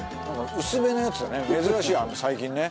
薄めのやつだね